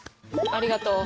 ありがとう。